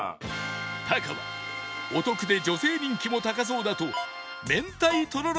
タカはお得で女性人気も高そうだと明太とろろ